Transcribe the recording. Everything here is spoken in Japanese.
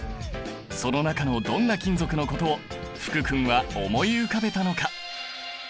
その中のどんな金属のことを福君は思い浮かべたのか。